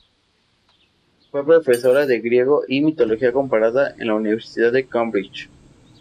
Fue profesora de griego y mitología comparada en la Universidad de Cambridge.